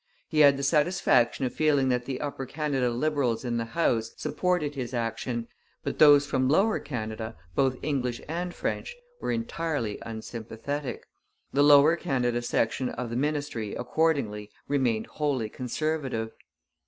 He had the satisfaction of feeling that the Upper Canada Liberals in the House supported his action, but those from Lower Canada, both English and French, were entirely unsympathetic. The Lower Canada section of the ministry accordingly remained wholly Conservative.